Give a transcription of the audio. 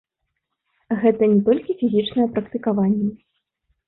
Гэта не толькі фізічныя практыкаванні.